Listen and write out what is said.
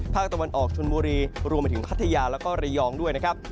ภาคตะวันออกชนบุรีรวมไปถึงพัทยาแล้วก็ระยองด้วยนะครับ